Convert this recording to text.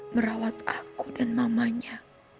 merawat aku dan mamanya